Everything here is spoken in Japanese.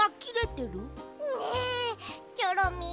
ねえチョロミー